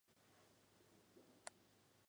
尖尾银鳞蛛为肖峭科银鳞蛛属的动物。